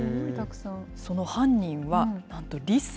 その犯人は、なんとリス。